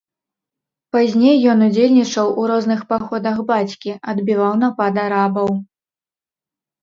Пазней ён удзельнічаў у розных паходах бацькі, адбіваў напад арабаў.